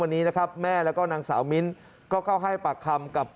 วันนี้นะครับแม่แล้วก็นางสาวมิ้นก็เข้าให้ปากคำกับ